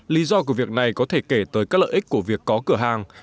lý do của việc này có thể kể tới các lợi ích của việc có cửa hàng